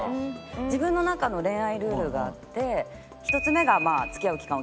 自分の中の恋愛ルールがあって１つ目が付き合う期間を決めて付き合う。